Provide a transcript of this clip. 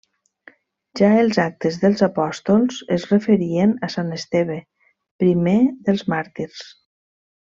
Ja els Actes dels Apòstols es referien a sant Esteve, primer dels màrtirs.